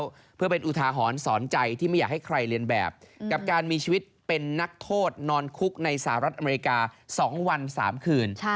แล้วเพื่อเป็นอุทาหรณ์สอนใจที่ไม่อยากให้ใครเรียนแบบกับการมีชีวิตเป็นนักโทษนอนคุกในสหรัฐอเมริกา๒วัน๓คืน